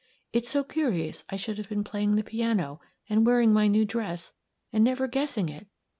It's so curious I should have been playing the piano and wearing my new dress, and never guessing it!